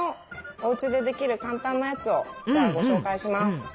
おうちでできる簡単なやつをじゃあご紹介します。